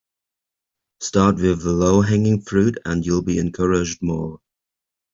Start with the low hanging fruit and you'll be encouraged more.